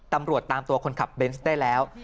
ตำรวจตามตัวคนขับเบนส์ได้แล้ว